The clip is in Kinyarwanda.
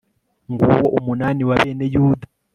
ng'uwo umunani wa bene yuda